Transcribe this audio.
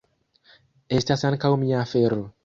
Estas ankaŭ mia afero.